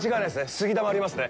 杉玉がありますね。